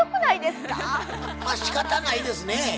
まあしかたないですね。